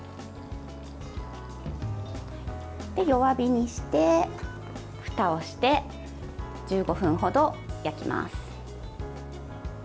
弱火にして、ふたをして１５分ほど焼きます。